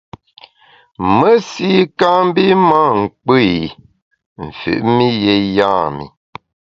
Mesi kâ mbi mâ nkpù i, mfüt mi yé yam’i.